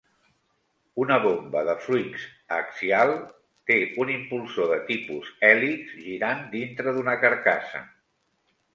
Una bomba de fluix axial té un impulsor de tipus hèlix girant dintre d'una carcassa.